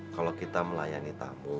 kalau kita melayani tamu